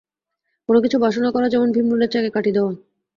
কোন কিছু বাসনা করা যেন ভীমরুলের চাকে কাটি দেওয়া।